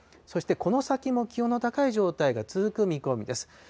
そして、この先も気温の高い状態が続く見込みです。